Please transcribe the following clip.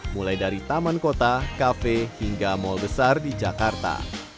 mulai dari taman kota kafe hingga mal besar di jakarta